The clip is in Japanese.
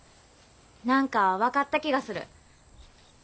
なんか分かった気がする。